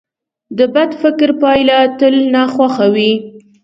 د بد فکر پایله تل ناخوښه وي.